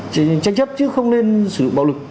tranh chấp chứ không nên sử dụng bạo lực